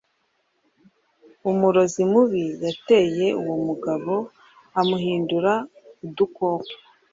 umurozi mubi yateye uwo mugabo amuhindura udukoko